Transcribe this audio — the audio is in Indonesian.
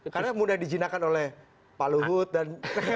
karena mudah dijinakan oleh pak luhut dan